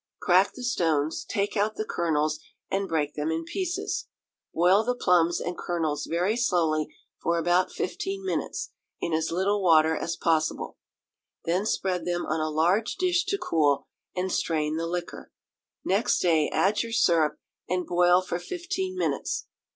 Crack the stones, take out the kernels, and break them in pieces. Boil the plurns and kernels very slowly for about fifteen minutes, in as little water as possible. Then spread them on a large dish to cool, and strain the liquor. Next day add your syrup, and boil for fifteen minutes.